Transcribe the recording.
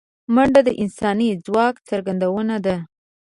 منډه د انساني ځواک څرګندونه ده